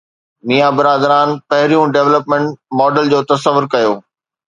ميان برادران پهريون development model جو تصور ڪيو.